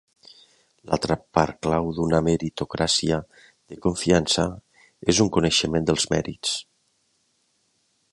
L'altra part clau d'una meritocràcia de confiança és un coneixement dels mèrits.